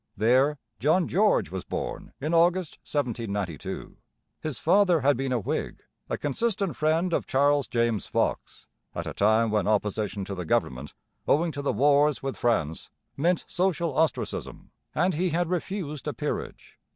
There John George was born in August 1792. His father had been a Whig, a consistent friend of Charles James Fox, at a time when opposition to the government, owing to the wars with France, meant social ostracism; and he had refused a peerage.